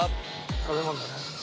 食べ物だね。